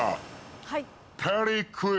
はい。